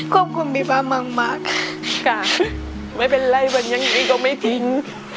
ขอบคุณพี่ป๊ามังมากข้าไม่เป็นไรวันยังไงก็ไม่ทิ้ง